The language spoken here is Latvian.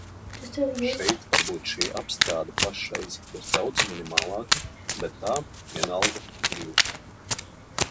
Šeit varbūt šī apstrāde pašreiz ir daudz minimālāka, bet tā, vienalga, ir jūtama.